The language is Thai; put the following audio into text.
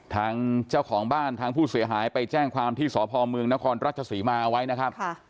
ทางเจ้าของบ้านทางผู้เสียหายไปแจ้งความที่สพเมืองนครราชศรีมาเอาไว้นะครับ